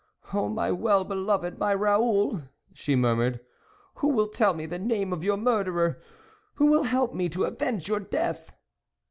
" O my well beloved, my Raoul ;" she murmured, " who will tell me the name of your murderer ? who will help me to avenge your death